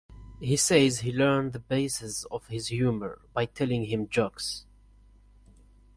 He says he learned the base of his humor by telling him jokes.